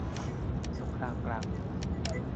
สงครามกลางเมือง